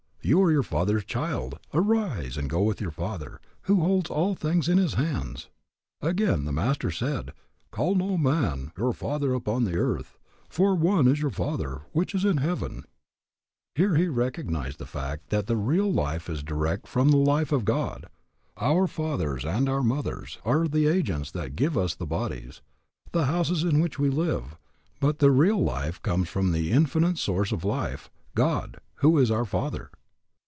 You are your Father's child. Arise and go to your Father, who holds all things in His hands. Again, the Master said, Call no man your Father upon the earth: for one is your Father, which is in heaven. Here he recognized the fact that the real life is direct from the life of God. Our fathers and our mothers are the agents that give us the bodies, the houses in which we live, but the real life comes from the Infinite Source of Life, God, who is our Father.